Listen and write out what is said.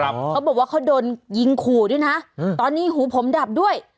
เขาบอกว่าเขาโดนยิงขู่ด้วยนะตอนนี้หูผมดับด้วย